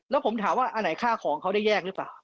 แล้วผมถามว่าอันไหนค่าของเขาได้แยกหรือเปล่า